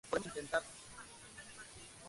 Fue reclutado por Liu Kang.